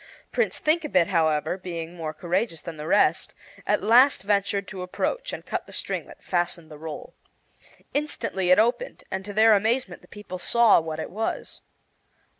Prince Thinkabit, however, being more courageous than the rest, at last ventured to approach and cut the string that fastened the roll. Instantly it opened, and to their amazement the people saw what it was.